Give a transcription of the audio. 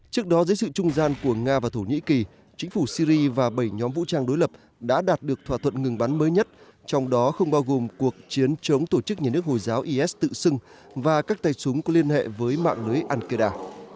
trước đó dưới sự trung gian của nga và thổ nhĩ kỳ chính phủ syri và bảy nhóm vũ trang đối lập đã đạt được thỏa thuận ngừng bắn mới nhất trong đó không bao gồm cuộc chiến chống tổ chức nhà nước hồi giáo is tự xưng và các tay súng có liên hệ với mạng lưới ankaeda